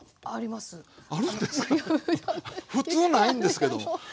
普通ないんですけども。